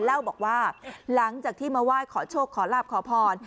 เล่าบอกว่าหลังจากที่มาไหว้ขอโชคขอลาบขอพร